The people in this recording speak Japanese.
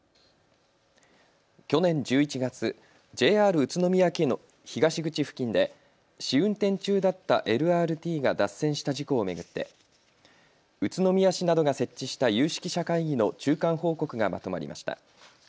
去年１１月、ＪＲ宇都宮駅の東口付近で試運転中だったＬＲＴが脱線した事故を巡って宇都宮市などが設置した有識者会議の中間報告がまとまりました。